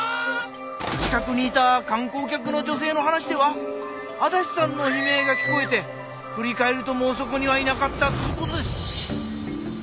近くにいた観光客の女性の話では足立さんの悲鳴が聞こえて振り返るともうそこにはいなかったっつう事です。